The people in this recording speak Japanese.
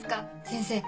先生。